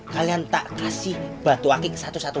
kalian tak kasih batu aking satu satu